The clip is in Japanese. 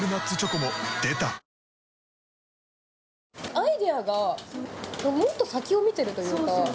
アイデアがもっと先を見ているというか。